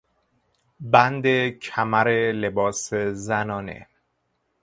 بند کمر لباس زنانه